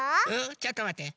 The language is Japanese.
ちょっとまって。